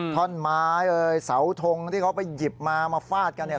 ท่อนไม้เอ่ยเสาทงที่เขาไปหยิบมามาฟาดกันเนี่ย